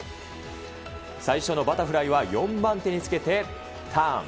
最初のバタフライは４番手につけてターン。